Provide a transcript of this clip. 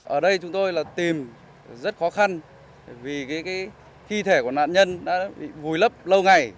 ở đây chúng tôi tìm rất khó khăn vì thi thể của nạn nhân đã bị vùi lấp lâu ngày